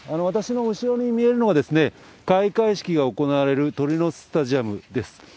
私の後ろに見えるのは、開会式が行われるトリノススタジアムです。